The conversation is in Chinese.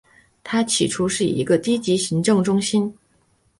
它起初是一个低级行政中心。